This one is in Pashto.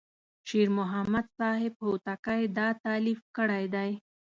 شیر محمد صاحب هوتکی دا تألیف کړی دی.